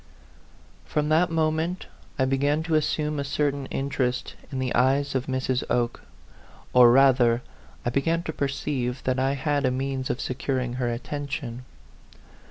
FROM that moment I began to assume a certain interesj; in the eyes of Mrs. Oke ; or, rather, I began to perceive that I had a means of securing her attention.